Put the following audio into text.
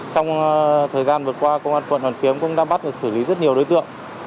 trong thời gian vừa qua công an quận hoàn kiếm cũng đã bắt và xử lý rất nhiều đối tượng